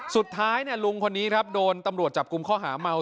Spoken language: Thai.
สุดท้ายลุงคนนี้ครับโดนตำรวจจับกลุ่มข้อหาเมา